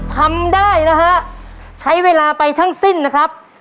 ทำได้นะฮะใช้เวลาไปทั้งสิ้นนะครับ